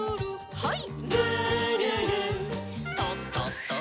はい。